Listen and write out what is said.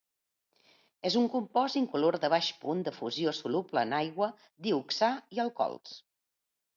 És un compost incolor de baix punt de fusió soluble en aigua, dioxà i alcohols.